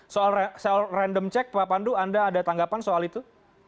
soal sel random check pak pandu anda ada tanggapan soal itu